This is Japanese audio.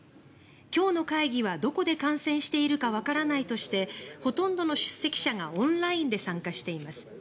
今日の会議はどこで感染しているかわからないとしてほとんどの出席者がオンラインで参加しています。